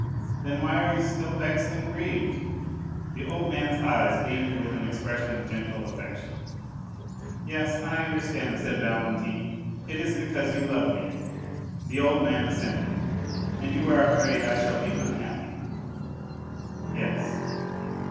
"Then why are you still vexed and grieved?" The old man's eyes beamed with an expression of gentle affection. "Yes, I understand," said Valentine; "it is because you love me." The old man assented. "And you are afraid I shall be unhappy?" "Yes."